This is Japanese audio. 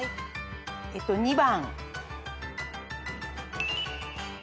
２番。